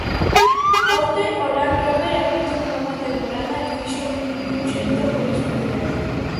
Onte o Land Rober abriu unha nova temporada e fíxoo dun xeito moi especial.